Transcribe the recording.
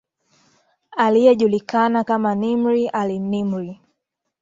aliyejulikana kama Nimr al Nimr